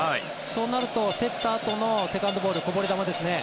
そうなると競ったあとのセカンドボールこぼれ球ですね。